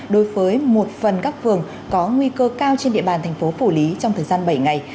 đối với một phần các phường có nguy cơ cao trên địa bàn thành phố phủ lý trong thời gian bảy ngày